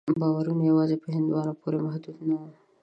باورونه یوازې په هندوانو پورې محدود نه وو.